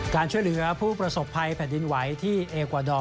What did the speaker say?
การช่วยเหลือผู้ประสบภัยแผ่นดินไหวที่เอกวาดอร์